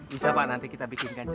bisa pak nanti kita bikinkan ya